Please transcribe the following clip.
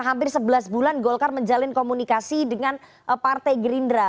hampir sebelas bulan golkar menjalin komunikasi dengan partai gerindra